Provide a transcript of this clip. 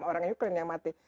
orang ukraine yang mati